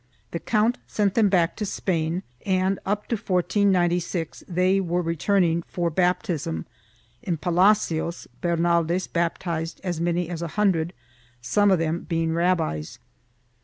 The count sent them back to Spain and, up to 1496, they were returning for baptism — in Palacios, Bernaldez baptized as many as a hundred, some of them being rabbis.